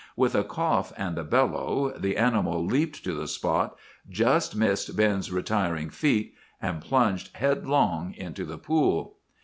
With a cough and a bellow the animal leaped to the spot, just missed Ben's retiring feet, and plunged headlong into the pool.